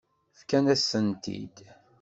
Fkan-asen-tent-id.